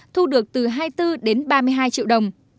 thu được từ hai mươi bốn đến ba mươi hai triệu đồng